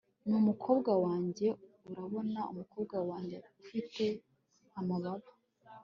ni umukobwa wanjye urabona umukobwa wanjye ufite amababa